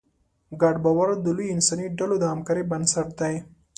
ګډ باور د لویو انساني ډلو د همکارۍ بنسټ دی.